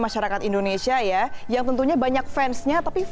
selamat pagi bayu